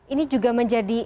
ini juga menjadi